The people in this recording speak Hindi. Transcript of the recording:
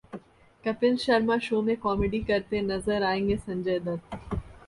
कपिल शर्मा शो में कॉमेडी करते नजर आएंगे 'संजय दत्त'